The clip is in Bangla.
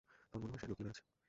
তোর মনে হয় সে লুকিয়ে বেড়াচ্ছে?